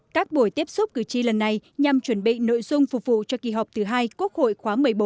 các buổi tiếp xúc cử tri lần này nhằm chuẩn bị nội dung phục vụ cho kỳ họp thứ hai quốc hội khóa một mươi bốn